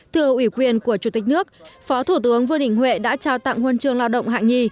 thưa ủy quyền của chủ tịch nước phó thủ tướng vương đình huệ đã trao tặng huân chương lao động hạng nhì